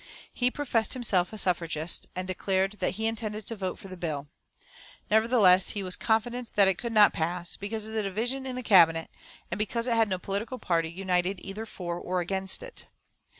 He professed himself a suffragist, and declared that he intended to vote for the bill. Nevertheless, he was confident that it could not pass, because of the division in the Cabinet, and because it had no political party united either for or against it.